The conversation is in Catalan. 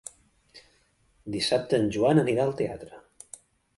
Dissabte en Joan anirà al teatre.